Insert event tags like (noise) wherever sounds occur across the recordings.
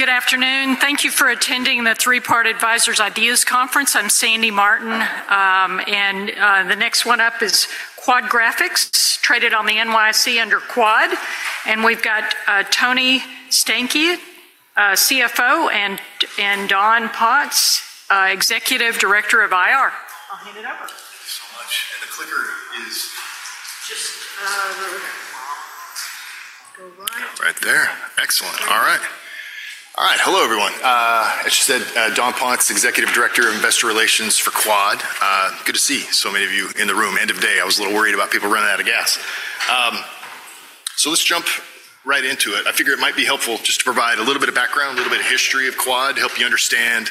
Good afternoon. Thank you for attending the Three-Part Advisors IDEAS Conference. I'm Sandy Martin. The next one up is Quad/Graphics, traded on the NYSE under QUAD. We've got Tony Staniak, CFO, and Don Potts, Executive Director of IR. I'll hand it over. Thank you so much. The clicker is just right there. Excellent. All right. All right. Hello, everyone. As you said, Don Potts, Executive Director of Investor Relations for Quad. Good to see so many of you in the room. End of day. I was a little worried about people running out of gas. Let's jump right into it. I figure it might be helpful just to provide a little bit of background, a little bit of history of Quad, help you understand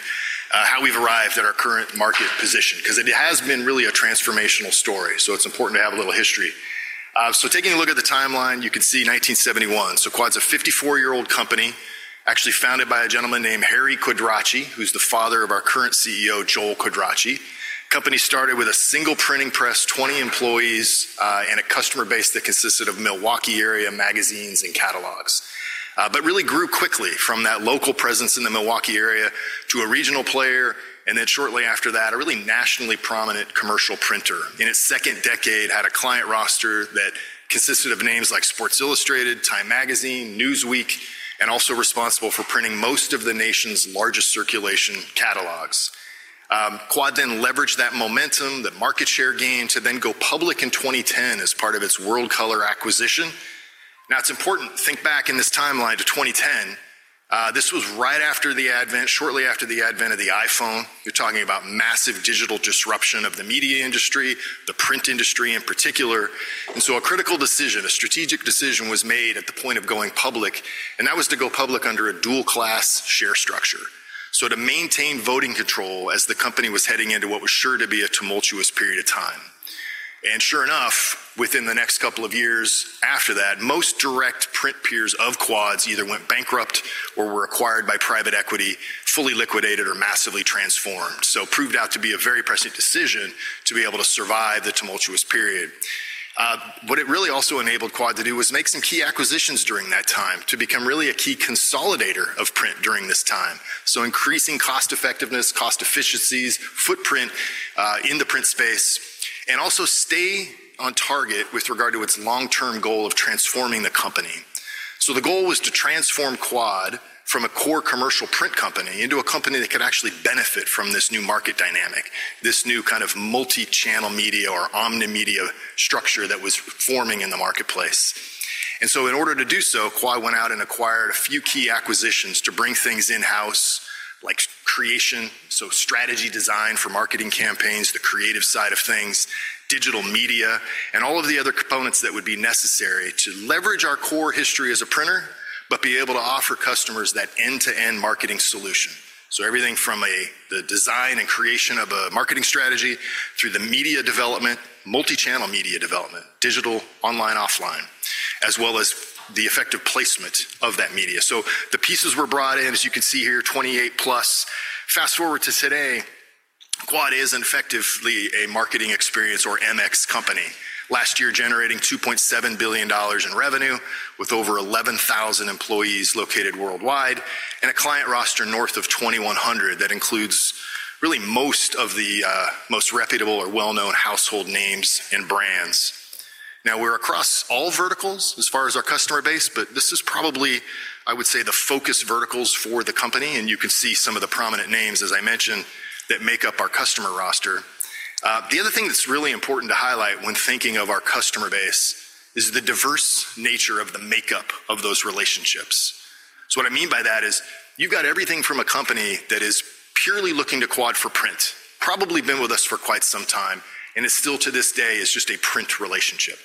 how we've arrived at our current market position, because it has been really a transformational story. It's important to have a little history. Taking a look at the timeline, you can see 1971. Quad's a 54-year-old company, actually founded by a gentleman named Harry Quadracci, who's the father of our current CEO, Joel Quadracci. The company started with a single printing press, 20 employees, and a customer base that consisted of Milwaukee area magazines and catalogs, but really grew quickly from that local presence in the Milwaukee area to a regional player. Shortly after that, a really nationally prominent commercial printer. In its second decade, it had a client roster that consisted of names like Sports Illustrated, Time Magazine, Newsweek, and also was responsible for printing most of the nation's largest circulation catalogs. Quad then leveraged that momentum, the market share gain, to go public in 2010 as part of its WorldColor acquisition. Now, it is important to think back in this timeline to 2010. This was right after the advent, shortly after the advent of the iPhone. You are talking about massive digital disruption of the media industry, the print industry in particular. A critical decision, a strategic decision was made at the point of going public. That was to go public under a dual-class share structure, to maintain voting control as the company was heading into what was sure to be a tumultuous period of time. Sure enough, within the next couple of years after that, most direct print peers of Quad's either went bankrupt or were acquired by private equity, fully liquidated, or massively transformed. It proved out to be a very prescient decision to be able to survive the tumultuous period. What it really also enabled Quad to do was make some key acquisitions during that time to become really a key consolidator of print during this time. Increasing cost effectiveness, cost efficiencies, footprint in the print space, and also stay on target with regard to its long-term goal of transforming the company. The goal was to transform Quad from a core commercial print company into a company that could actually benefit from this new market dynamic, this new kind of multi-channel media or omni-media structure that was forming in the marketplace. In order to do so, Quad went out and acquired a few key acquisitions to bring things in-house, like creation, so strategy design for marketing campaigns, the creative side of things, digital media, and all of the other components that would be necessary to leverage our core history as a printer, but be able to offer customers that end-to-end marketing solution. Everything from the design and creation of a marketing strategy through the media development, multi-channel media development, digital, online, offline, as well as the effective placement of that media. The pieces were brought in, as you can see here, 28+. Fast forward to today, Quad is effectively a marketing experience or MX company, last year generating $2.7 billion in revenue with over 11,000 employees located worldwide and a client roster north of 2,100 that includes really most of the most reputable or well-known household names and brands. Now, we're across all verticals as far as our customer base, but this is probably, I would say, the focus verticals for the company. You can see some of the prominent names, as I mentioned, that make up our customer roster. The other thing that's really important to highlight when thinking of our customer base is the diverse nature of the makeup of those relationships. What I mean by that is you've got everything from a company that is purely looking to Quad for print, probably been with us for quite some time, and is still to this day just a print relationship.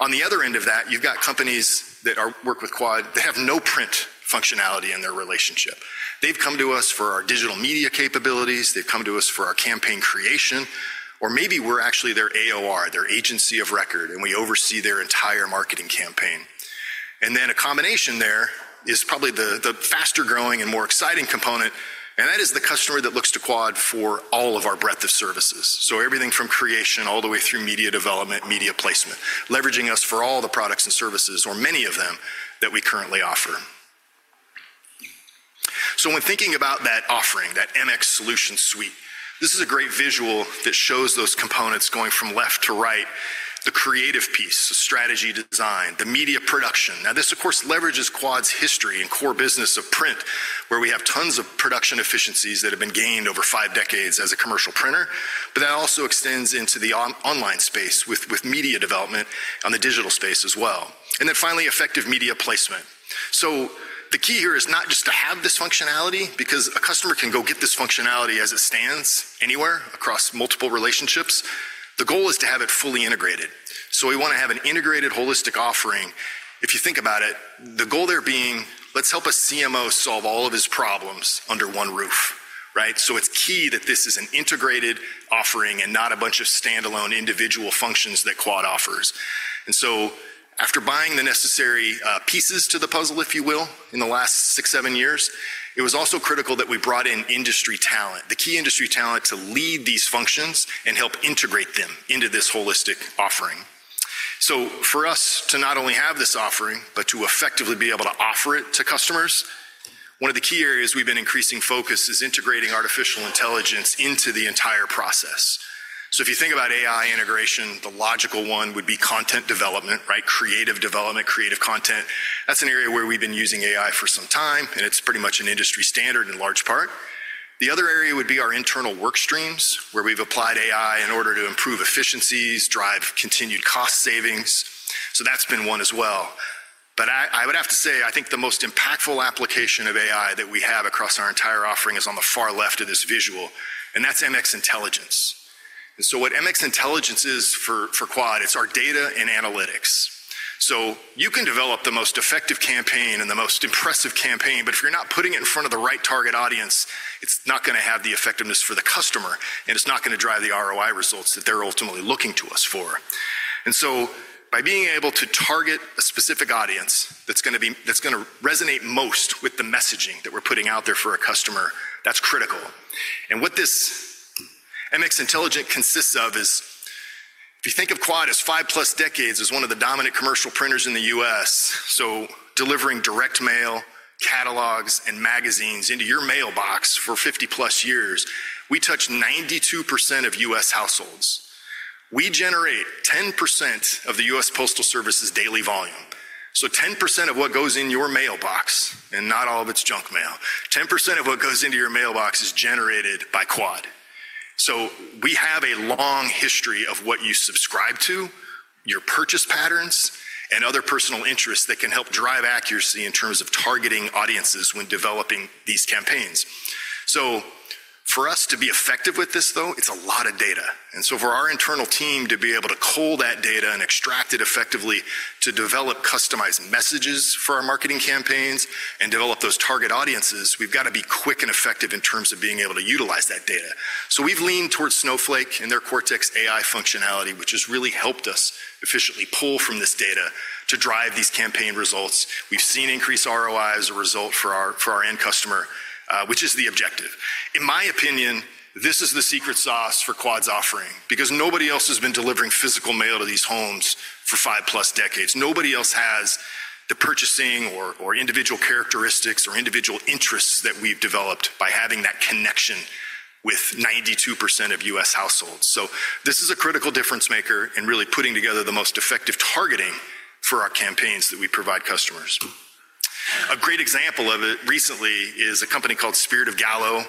On the other end of that, you've got companies that work with Quad that have no print functionality in their relationship. They've come to us for our digital media capabilities. They've come to us for our campaign creation. Maybe we're actually their AOR, their agency of record, and we oversee their entire marketing campaign. A combination there is probably the faster-growing and more exciting component. That is the customer that looks to Quad for all of our breadth of services. Everything from creation all the way through media development, media placement, leveraging us for all the products and services, or many of them, that we currently offer. When thinking about that offering, that MX solution suite, this is a great visual that shows those components going from left to right, the creative piece, the strategy design, the media production. This, of course, leverages Quad's history and core business of print, where we have tons of production efficiencies that have been gained over five decades as a commercial printer, but that also extends into the online space with media development on the digital space as well. Finally, effective media placement. The key here is not just to have this functionality, because a customer can go get this functionality as it stands anywhere across multiple relationships. The goal is to have it fully integrated. We want to have an integrated, holistic offering. If you think about it, the goal there being, let's help a CMO solve all of his problems under one roof. Right? It is key that this is an integrated offering and not a bunch of standalone individual functions that Quad offers. After buying the necessary pieces to the puzzle, if you will, in the last six, seven years, it was also critical that we brought in industry talent, the key industry talent to lead these functions and help integrate them into this holistic offering. For us to not only have this offering, but to effectively be able to offer it to customers, one of the key areas we've been increasing focus is integrating artificial intelligence into the entire process. If you think about AI integration, the logical one would be content development, right? Creative development, creative content. That's an area where we've been using AI for some time, and it's pretty much an industry standard in large part. The other area would be our internal work streams, where we've applied AI in order to improve efficiencies, drive continued cost savings. That's been one as well. I would have to say, I think the most impactful application of AI that we have across our entire offering is on the far left of this visual, and that's MX: Intelligence. What MX: Intelligence is for Quad, it's our data and analytics. You can develop the most effective campaign and the most impressive campaign, but if you're not putting it in front of the right target audience, it's not going to have the effectiveness for the customer, and it's not going to drive the ROI results that they're ultimately looking to us for. By being able to target a specific audience that's going to resonate most with the messaging that we're putting out there for a customer, that's critical. What this MX: Intelligence consists of is, if you think of Quad as five-plus decades as one of the dominant commercial printers in the U.S., delivering direct mail, catalogs, and magazines into your mailbox for 50+ years, we touch 92% of U.S. households. We generate 10% of the U.S. Postal Service's daily volume. 10% of what goes in your mailbox, and not all of it's junk mail, 10% of what goes into your mailbox is generated by Quad. We have a long history of what you subscribe to, your purchase patterns, and other personal interests that can help drive accuracy in terms of targeting audiences when developing these campaigns. For us to be effective with this, though, it's a lot of data. For our internal team to be able to pull that data and extract it effectively to develop customized messages for our marketing campaigns and develop those target audiences, we've got to be quick and effective in terms of being able to utilize that data. We've leaned towards Snowflake and their Cortex AI functionality, which has really helped us efficiently pull from this data to drive these campaign results. We've seen increased ROI as a result for our end customer, which is the objective. In my opinion, this is the secret sauce for Quad's offering, because nobody else has been delivering physical mail to these homes for five-plus decades. Nobody else has the purchasing or individual characteristics or individual interests that we've developed by having that connection with 92% of U.S. households. This is a critical difference maker in really putting together the most effective targeting for our campaigns that we provide customers. A great example of it recently is a company called Spirit of Gallo.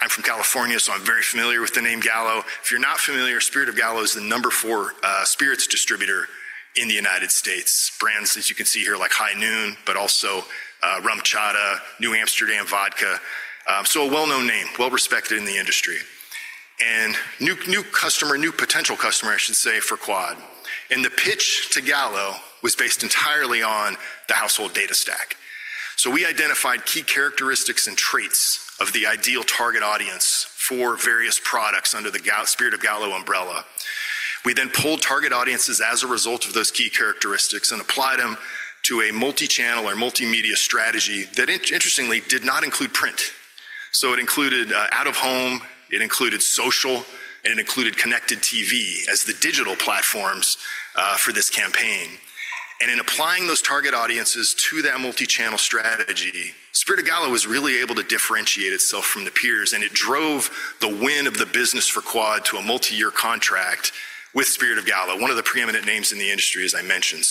I'm from California, so I'm very familiar with the name Gallo. If you're not familiar, Spirit of Gallo is the number four spirits distributor in the United States. Brands, as you can see here, like High Noon, but also Rum Chata, New Amsterdam Vodka. A well-known name, well-respected in the industry. A new customer, new potential customer, I should say, for Quad. The pitch to Gallo was based entirely on the household data stack. We identified key characteristics and traits of the ideal target audience for various products under the Spirit of Gallo umbrella. We then pulled target audiences as a result of those key characteristics and applied them to a multi-channel or multimedia strategy that, interestingly, did not include print. It included out-of-home, it included social, and it included connected TV as the digital platforms for this campaign. In applying those target audiences to that multi-channel strategy, Spirit of Gallo was really able to differentiate itself from the peers, and it drove the win of the business for Quad to a multi-year contract with Spirit of Gallo, one of the preeminent names in the industry, as I mentioned.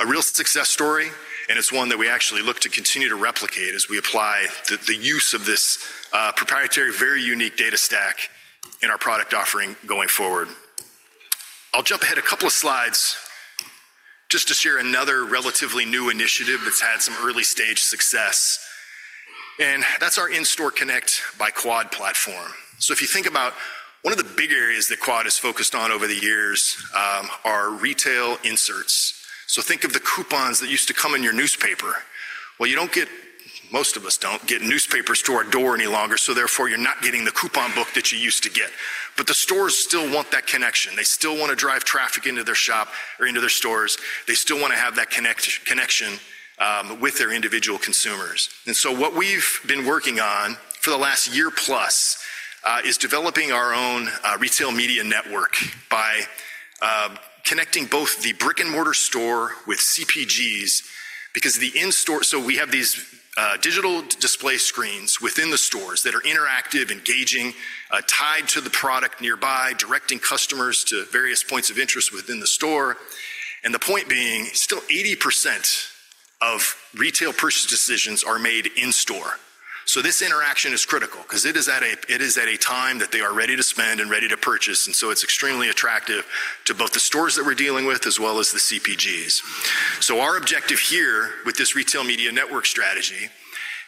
A real success story, and it's one that we actually look to continue to replicate as we apply the use of this proprietary, very unique data stack in our product offering going forward. I'll jump ahead a couple of slides just to share another relatively new initiative that's had some early-stage success. That's our In-Store Connect by Quad platform. If you think about one of the big areas that Quad has focused on over the years are retail inserts. Think of the coupons that used to come in your newspaper. You don't get, most of us don't get newspapers to our door any longer, so therefore you're not getting the coupon book that you used to get. The stores still want that connection. They still want to drive traffic into their shop or into their stores. They still want to have that connection with their individual consumers. What we've been working on for the last year-plus is developing our own retail media network by connecting both the brick-and-mortar store with CPGs, because the in-store, we have these digital display screens within the stores that are interactive, engaging, tied to the product nearby, directing customers to various points of interest within the store. The point being, still 80% of retail purchase decisions are made in-store. This interaction is critical because it is at a time that they are ready to spend and ready to purchase, and it is extremely attractive to both the stores that we're dealing with as well as the CPGs. Our objective here with this retail media network strategy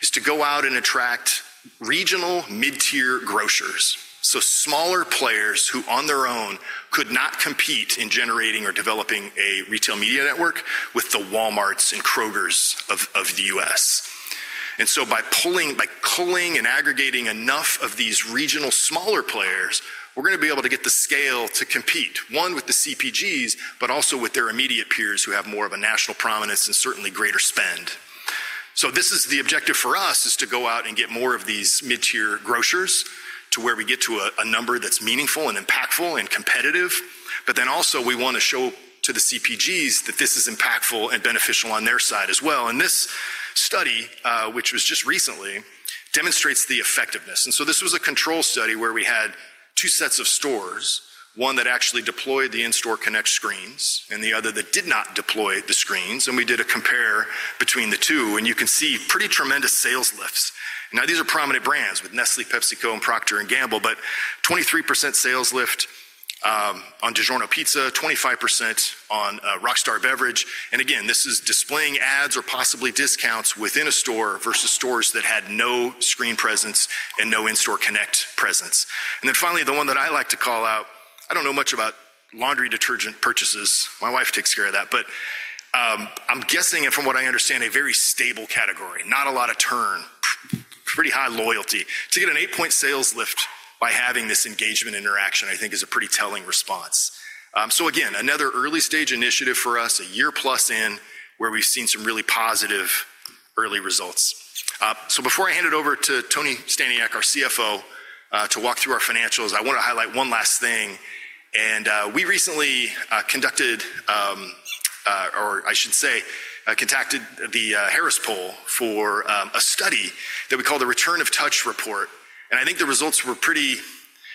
is to go out and attract regional mid-tier grocers, so smaller players who on their own could not compete in generating or developing a retail media network with the Walmarts and Krogers of the U.S. By culling and aggregating enough of these regional smaller players, we're going to be able to get the scale to compete, one with the CPGs, but also with their immediate peers who have more of a national prominence and certainly greater spend. This is the objective for us, to go out and get more of these mid-tier grocers to where we get to a number that's meaningful and impactful and competitive. We also want to show to the CPGs that this is impactful and beneficial on their side as well. This study, which was just recently, demonstrates the effectiveness. This was a control study where we had two sets of stores, one that actually deployed the In-Store Connect screens and the other that did not deploy the screens. We did a compare between the two, and you can see pretty tremendous sales lifts. These are prominent brands with Nestlé, PepsiCo, and Procter & Gamble, but 23% sales lift on DiGiorno Pizza, 25% on Rockstar Beverage. This is displaying ads or possibly discounts within a store versus stores that had no screen presence and no In-Store Connect presence. Finally, the one that I like to call out, I do not know much about laundry detergent purchases. My wife takes care of that, but I am guessing, and from what I understand, a very stable category, not a lot of turn, pretty high loyalty. To get an eight-point sales lift by having this engagement interaction, I think, is a pretty telling response. Again, another early-stage initiative for us, a year-plus in, where we've seen some really positive early results. Before I hand it over to Tony Staniak, our CFO, to walk through our financials, I want to highlight one last thing. We recently conducted, or I should say, contacted the Harris Poll for a study that we called the Return of Touch Report. I think the results were pretty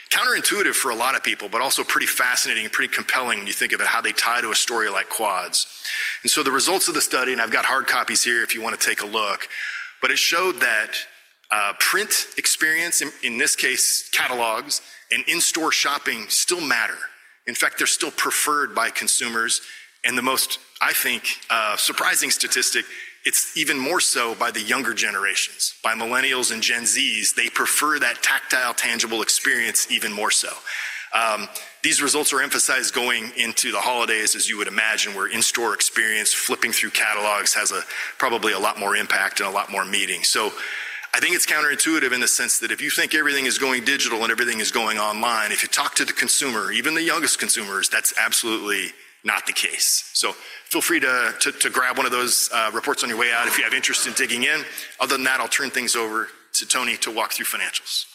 counterintuitive for a lot of people, but also pretty fascinating and pretty compelling when you think about how they tie to a story like Quad's. The results of the study, and I've got hard copies here if you want to take a look, showed that print experience, in this case, catalogs and in-store shopping still matter. In fact, they're still preferred by consumers. The most, I think, surprising statistic, it's even more so by the younger generations, by millennials and Gen Zs. They prefer that tactile, tangible experience even more so. These results are emphasized going into the holidays, as you would imagine, where in-store experience flipping through catalogs has probably a lot more impact and a lot more meaning. I think it's counterintuitive in the sense that if you think everything is going digital and everything is going online, if you talk to the consumer, even the youngest consumers, that's absolutely not the case. Feel free to grab one of those reports on your way out if you have interest in digging in. Other than that, I'll turn things over to Tony to walk through financials.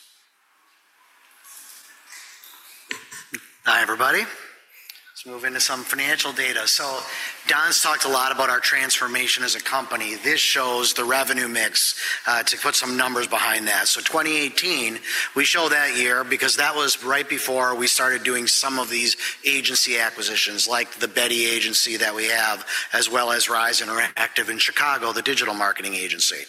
Hi, everybody. Let's move into some financial data. Don's talked a lot about our transformation as a company. This shows the revenue mix. To put some numbers behind that, 2018, we show that year because that was right before we started doing some of these agency acquisitions, like the Betty Agency that we have, as well as Rise Interactive in Chicago, the digital marketing agency.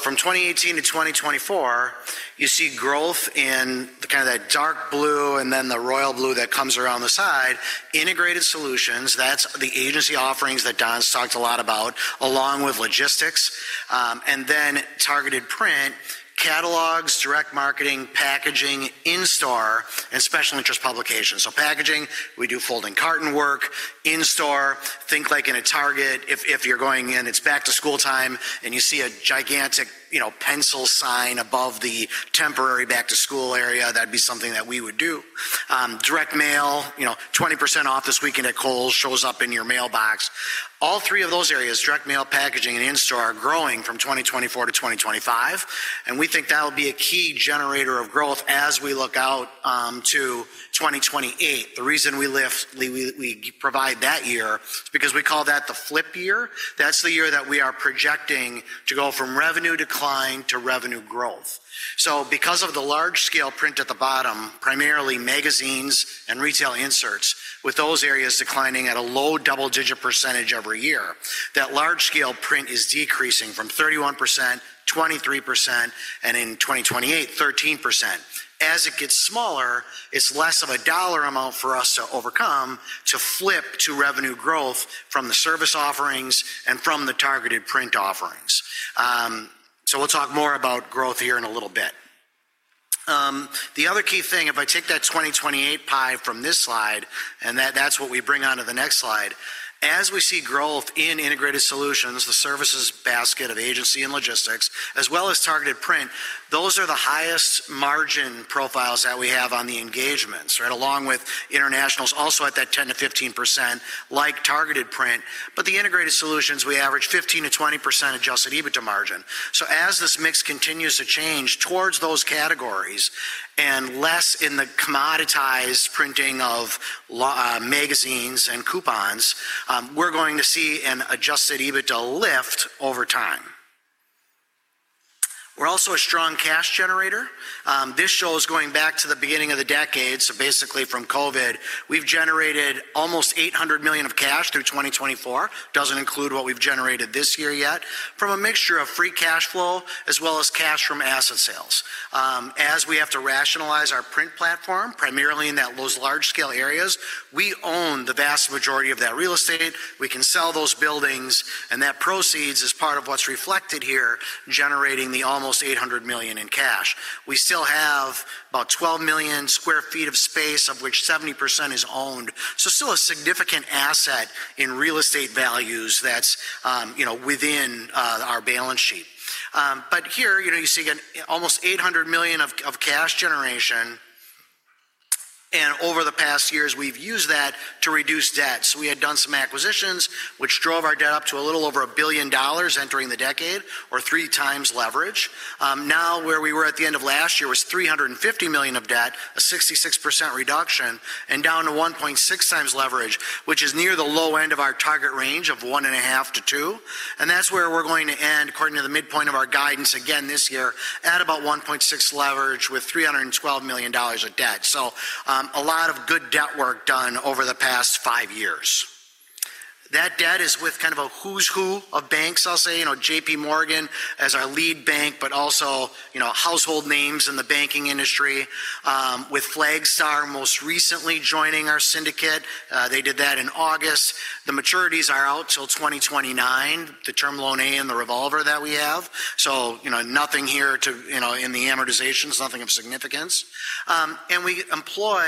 From 2018 to 2024, you see growth in kind of that dark blue and then the royal blue that comes around the side, integrated solutions. That's the agency offerings that Don's talked a lot about, along with logistics. Then targeted print, catalogs, direct marketing, packaging, in-store, and special interest publications. Packaging, we do folding carton work. In-store, think like in a Target, if you're going in, it's back to school time, and you see a gigantic pencil sign above the temporary back to school area, that'd be something that we would do. Direct mail, 20% off this weekend at Kohl's shows up in your mailbox. All three of those areas, direct mail, packaging, and in-store, are growing from 2024 to 2025. We think that'll be a key generator of growth as we look out to 2028. The reason we provide that year is because we call that the flip year. That's the year that we are projecting to go from revenue decline to revenue growth. Because of the large-scale print at the bottom, primarily magazines and retail inserts, with those areas declining at a low double-digit percentage every year, that large-scale print is decreasing from 31%, 23%, and in 2028, 13%. As it gets smaller, it's less of a dollar amount for us to overcome to flip to revenue growth from the service offerings and from the targeted print offerings. We'll talk more about growth here in a little bit. The other key thing, if I take that 2028 pie from this slide, and that's what we bring on to the next slide, as we see growth in integrated solutions, the services basket of agency and logistics, as well as targeted print, those are the highest margin profiles that we have on the engagements, right, along with internationals also at that 10%-15%, like targeted print. The integrated solutions, we average 15%-20% adjusted EBITDA margin. As this mix continues to change towards those categories and less in the commoditized printing of magazines and coupons, we're going to see an adjusted EBITDA lift over time. We're also a strong cash generator. This shows going back to the beginning of the decade, so basically from COVID, we've generated almost $800 million of cash through 2024. It doesn't include what we've generated this year yet, from a mixture of free cash flow as well as cash from asset sales. As we have to rationalize our print platform, primarily in those large-scale areas, we own the vast majority of that real estate. We can sell those buildings, and that proceeds is part of what's reflected here, generating the almost $800 million in cash. We still have about 12 million sq ft of space, of which 70% is owned. Still a significant asset in real estate values that's within our balance sheet. Here, you see almost $800 million of cash generation. Over the past years, we've used that to reduce debt. We had done some acquisitions, which drove our debt up to a little over a billion dollars entering the decade, or three times leverage. Now, where we were at the end of last year was $350 million of debt, a 66% reduction, and down to 1.6x leverage, which is near the low end of our target range of one and a half to two. That is where we are going to end, according to the midpoint of our guidance again this year, at about 1.6 leverage with $312 million of debt. A lot of good debt work done over the past five years. That debt is with kind of a who's who of banks, I'll say, JPMorgan as our lead bank, but also household names in the banking industry, with Flagstar most recently joining our syndicate. They did that in August. The maturities are out till 2029, the term loan A and the revolver that we have. Nothing here in the amortizations, nothing of significance. We employ,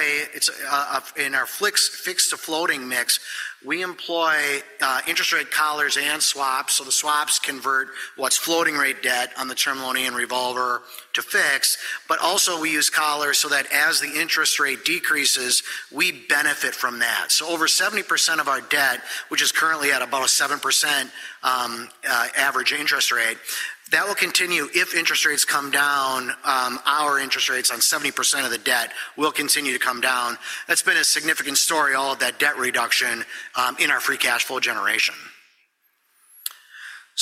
in our fixed to floating mix, we employ interest rate collars and swaps. The swaps convert what's floating rate debt on the term loan A and revolver to fixed. We also use collars so that as the interest rate decreases, we benefit from that. Over 70% of our debt, which is currently at about a 7% average interest rate, that will continue if interest rates come down. Our interest rates on 70% of the debt will continue to come down. That's been a significant story, all of that debt reduction in our free cash flow generation.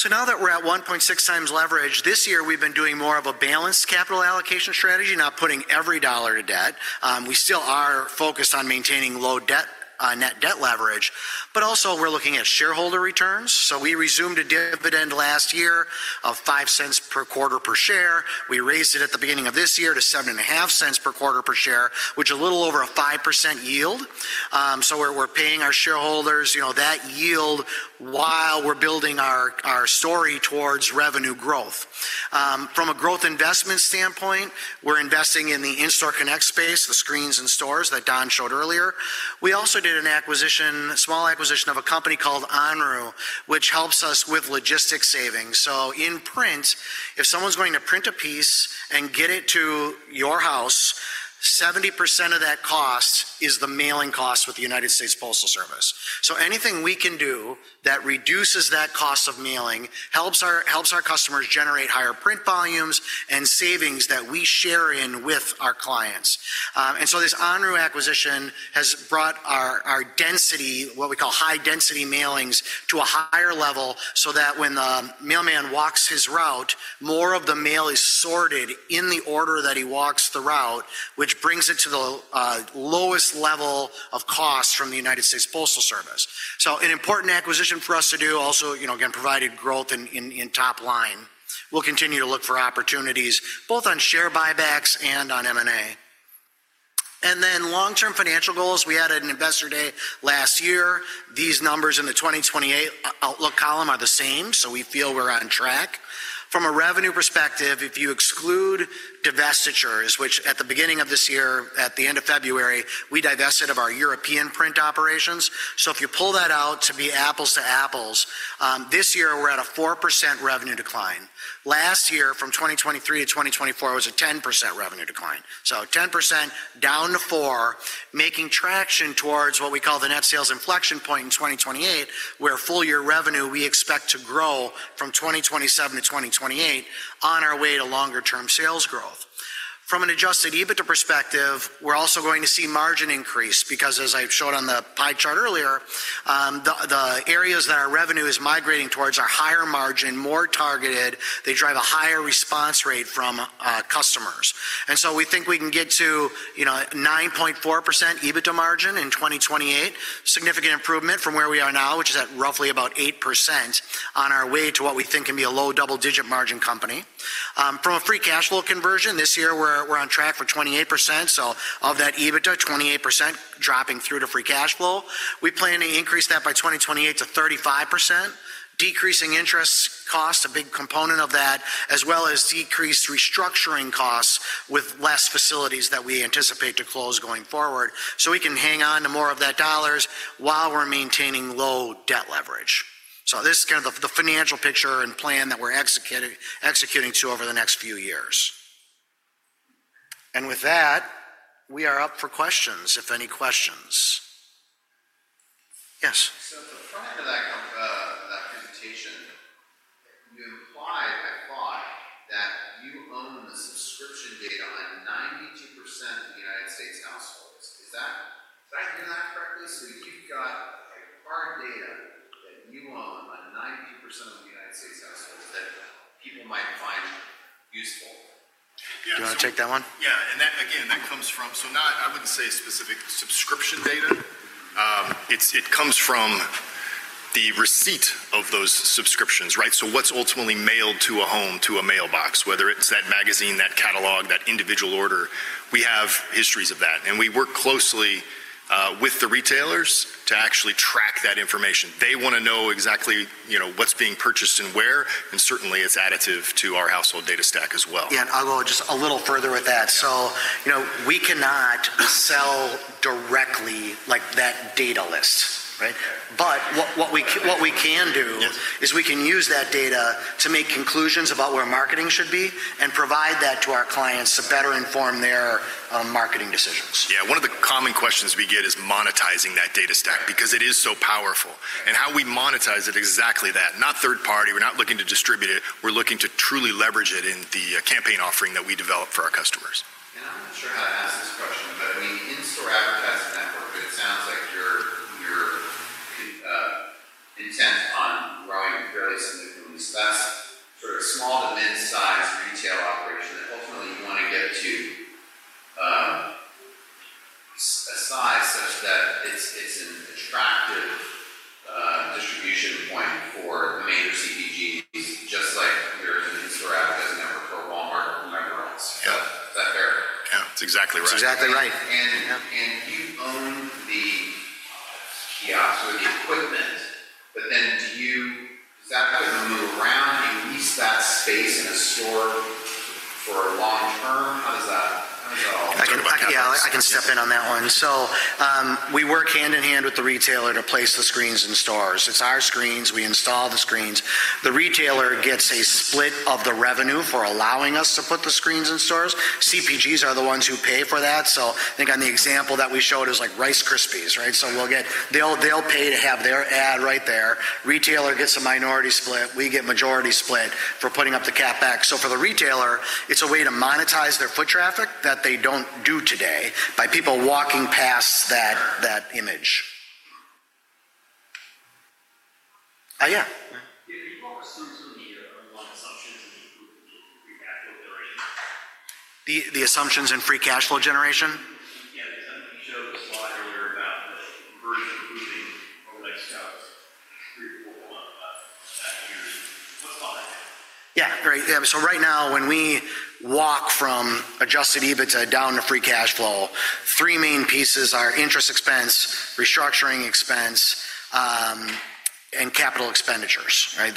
Now that we're at 1.6x leverage, this year we've been doing more of a balanced capital allocation strategy, not putting every dollar to debt. We still are focused on maintaining low net debt leverage, but also we're looking at shareholder returns. We resumed a dividend last year of $0.05 per quarter per share. We raised it at the beginning of this year to $0.075 per quarter per share, which is a little over a 5% yield. We're paying our shareholders that yield while we're building our story towards revenue growth. From a growth investment standpoint, we're investing in the In-Store Connect space, the screens in stores that Don showed earlier. We also did a small acquisition of a company called HONOR, which helps us with logistics savings. In print, if someone's going to print a piece and get it to your house, 70% of that cost is the mailing cost with the United States Postal Service. Anything we can do that reduces that cost of mailing helps our customers generate higher print volumes and savings that we share in with our clients. This HONOR acquisition has brought our density, what we call high-density mailings, to a higher level so that when the mailman walks his route, more of the mail is sorted in the order that he walks the route, which brings it to the lowest level of cost from the United States Postal Service. An important acquisition for us to do also again provided growth in top line. We'll continue to look for opportunities both on share buybacks and on M&A. Long-term financial goals, we had an investor day last year. These numbers in the 2028 outlook column are the same, so we feel we're on track. From a revenue perspective, if you exclude divestitures, which at the beginning of this year, at the end of February, we divested of our European print operations. If you pull that out to be apples to apples, this year we're at a 4% revenue decline. Last year, from 2023 to 2024, it was a 10% revenue decline. 10% down to four, making traction towards what we call the net sales inflection point in 2028, where full-year revenue we expect to grow from 2027 to 2028 on our way to longer-term sales growth. From an adjusted EBITDA perspective, we're also going to see margin increase because, as I showed on the pie chart earlier, the areas that our revenue is migrating towards are higher margin, more targeted. They drive a higher response rate from customers. We think we can get to 9.4% EBITDA margin in 2028, significant improvement from where we are now, which is at roughly about 8% on our way to what we think can be a low double-digit margin company. From a free cash flow conversion, this year we're on track for 28%. Of that EBITDA, 28% dropping through to free cash flow. We plan to increase that by 2028 to 35%, decreasing interest costs, a big component of that, as well as decreased restructuring costs with less facilities that we anticipate to close going forward. We can hang on to more of that dollars while we're maintaining low debt leverage. This is kind of the financial picture and plan that we're executing to over the next few years. With that, we are up for questions, if any questions. Yes. At the front end of that presentation, you implied that you own the subscription data on 92% of the U.S. households. Is that correct? You have hard data that you own on 92% of the U.S. households that people might find useful. Do you want to take that one? Yeah. That comes from, I would not say specific subscription data. It comes from the receipt of those subscriptions, right? What is ultimately mailed to a home, to a mailbox, whether it is that magazine, that catalog, that individual order, we have histories of that. We work closely with the retailers to actually track that information. They want to know exactly what is being purchased and where, and certainly it is additive to our household data stack as well. Yeah. I'll go just a little further with that. We cannot sell directly like that data list, right? What we can do is we can use that data to make conclusions about where marketing should be and provide that to our clients to better inform their marketing decisions. Yeah. One of the common questions we get is monetizing that data stack because it is so powerful. How we monetize it, exactly that. Not third party. We're not looking to distribute it. We're looking to truly leverage it in the campaign offering that we develop for our customers. I'm not sure how to ask this question, but in the in-store advertising network, it sounds like you're intent on growing fairly significantly. That is sort of small to mid-size retail operation that ultimately you want to get to a size such that it's an attractive distribution point for the major CPGs, just like your in-store advertising network for Walmart or whoever else. Is that fair? Yeah. That's exactly right. That's exactly right. (audio distortion) You own the kiosks or the equipment, but then does that have to move around? Do you lease that space in a store for a long term? How does that all work? Yeah. I can step in on that one. We work hand in hand with the retailer to place the screens in stores. It's our screens. We install the screens. The retailer gets a split of the revenue for allowing us to put the screens in stores. CPGs are the ones who pay for that. I think on the example that we showed is like Rice Krispies, right? They'll pay to have their ad right there. The retailer gets a minority split. We get majority split for putting up the cat back. For the retailer, it's a way to monetize their foot traffic that they don't do today by people walking past that image. Oh, yeah. (audio distortion) Can you walk us through some of the assumptions and improvements with free cash flow generation? The assumptions in free cash flow generation? (audio distortion) Yeah. Because I think you showed the slide earlier about the conversion improving over the next three to four months of that year. What's behind that? Yeah. Right now, when we walk from adjusted EBITDA down to free cash flow, three main pieces are interest expense, restructuring expense, and capital expenditures, right?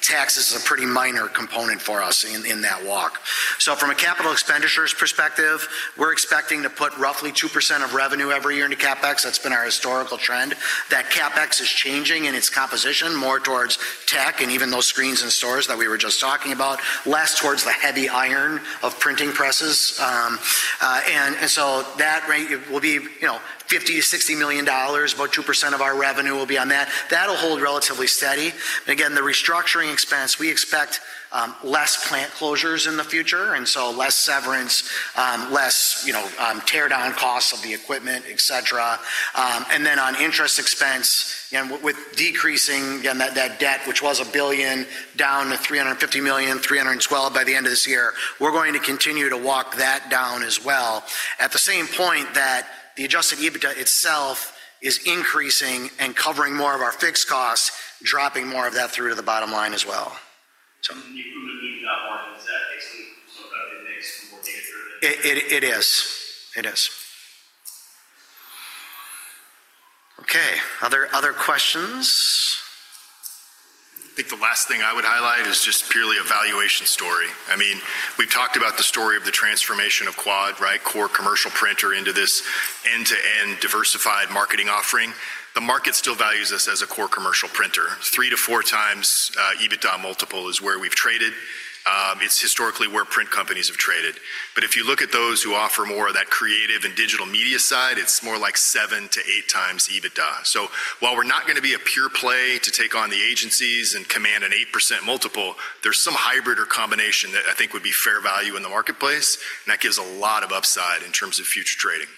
Tax is a pretty minor component for us in that walk. From a capital expenditures perspective, we're expecting to put roughly 2% of revenue every year into CapEx. That's been our historical trend. That CapEx is changing in its composition more towards tech and even those screens in stores that we were just talking about, less towards the heavy iron of printing presses. That will be $50 million-$60 million, about 2% of our revenue will be on that. That'll hold relatively steady. Again, the restructuring expense, we expect less plant closures in the future, and so less severance, less tear-down costs of the equipment, etc. On interest expense, with decreasing that debt, which was $1 billion, down to $350 million, $312 million by the end of this year, we're going to continue to walk that down as well at the same point that the adjusted EBITDA itself is increasing and covering more of our fixed costs, dropping more of that through to the bottom line as well. (audio distortion) You're moving that more into that fixed income so that it makes more cash flow? It is. It is. Okay. Other questions? I think the last thing I would highlight is just purely a valuation story. I mean, we've talked about the story of the transformation of Quad, right? Core commercial printer into this end-to-end diversified marketing offering. The market still values us as a core commercial printer. Three- to four-times EBITDA multiple is where we've traded. It's historically where print companies have traded. If you look at those who offer more of that creative and digital media side, it's more like seven- to eight-times EBITDA. While we're not going to be a pure play to take on the agencies and command an 8% multiple, there's some hybrid or combination that I think would be fair value in the marketplace, and that gives a lot of upside in terms of future trading.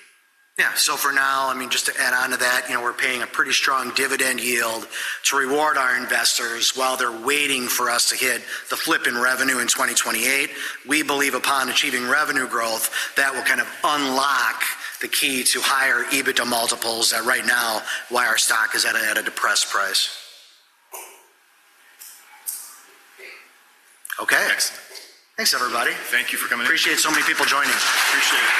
Yeah. For now, I mean, just to add on to that, we're paying a pretty strong dividend yield to reward our investors while they're waiting for us to hit the flip in revenue in 2028. We believe upon achieving revenue growth, that will kind of unlock the key to higher EBITDA multiples. That right now, why our stock is at a depressed price. Okay. Thanks, everybody. Thank you for coming in. Appreciate so many people joining. Appreciate it.